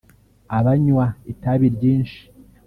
abanywa itabi ryinshi